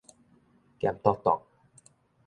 鹹篤篤